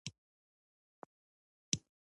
پکورې د کور دننه خوشبويي وي